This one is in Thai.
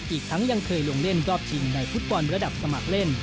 อีกทั้งยังเคยลงเล่นรอบชิงในฟุตบอลระดับสมัครเล่น